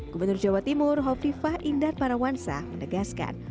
gubernur jawa timur hovifah indar parawansa menegaskan